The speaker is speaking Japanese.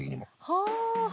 はあ。